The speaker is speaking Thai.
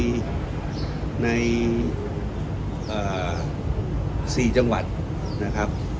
เอาคร่าวแค่นี้ควรรายละเอียดไปถามท่านอธิบดีกรุงการปกครองได้ออกมาแถวแหละ